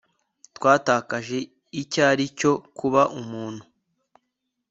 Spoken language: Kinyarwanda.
twatakaje icyo ari cyo kuba umuntu